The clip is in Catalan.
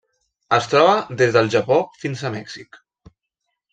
Es troba des del Japó fins a Mèxic.